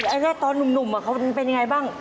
ไอ้แรกตอนหนุ่มเขาเป็นอย่างไรบ้าง